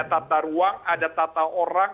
tata ruang ada tata orang